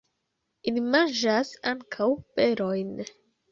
Ili manĝas ankaŭ berojn.